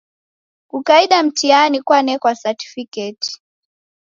Kukaida mtihani kwanekwa satfiketi.